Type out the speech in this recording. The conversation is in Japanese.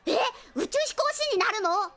宇宙飛行士になるの？